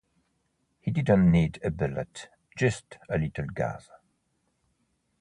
He didn't need a bullet, just a little gas.